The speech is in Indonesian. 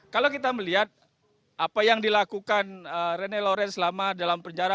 kalau kita melihat apa yang dilakukan rene lawrence selama dalam penjara